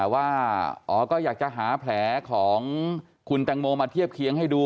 ว่าอ๋อก็อยากจะหาแผลของคุณแตงโมมาเทียบเคียงให้ดู